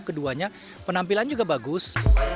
keduanya penampilan juga bagus